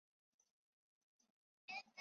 东京俳优生活协同组合所属。